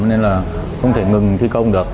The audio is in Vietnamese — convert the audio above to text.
ngừng thi công được